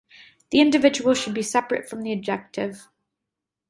The individual should be separate from the objective.